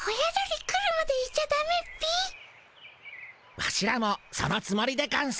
ワシらもそのつもりでゴンス。